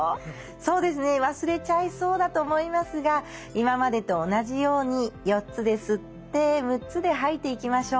そうですね忘れちゃいそうだと思いますが今までと同じように４つで吸って６つで吐いていきましょう。